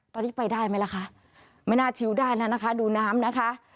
ตอนนี้ไปได้ไหมล่ะคะไม่น่าชิวได้แล้วนะคะดูน้ำนะคะ